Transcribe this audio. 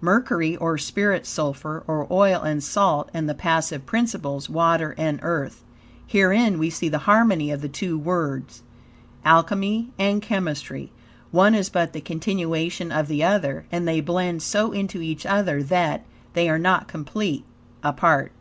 Mercury, or spirit, sulphur, or oil, and salt, and the passive principles, water and earth. Herein we see the harmony of the two words, Alchemy and Chemistry. One is but the continuation of the other, and they blend so into each other that, they are not complete, apart.